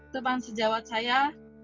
teman sejawat saya